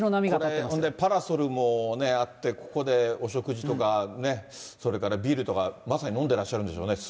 これほんで、パラソルもあって、ここでお食事とかね、それからビールとか、まさに飲んでらっしゃるんでしょうね。